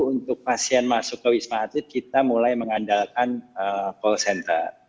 untuk pasien masuk ke wisma atlet kita mulai mengandalkan call center